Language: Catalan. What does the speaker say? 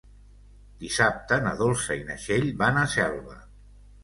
Dissabte na Dolça i na Txell van a Selva.